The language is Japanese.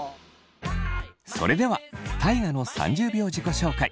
それでは大我の３０秒自己紹介。